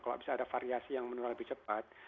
kalau bisa ada variasi yang menular lebih cepat